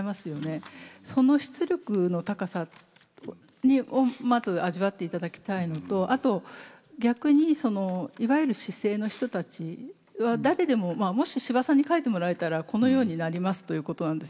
その出力の高さをまず味わっていただきたいのとあと逆にそのいわゆる市井の人たちは誰でももし司馬さんに書いてもらえたらこのようになりますということなんですよ。